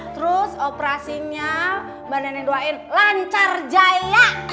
terus operasinya mbak neneng doain lancar jaya